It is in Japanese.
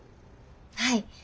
はい。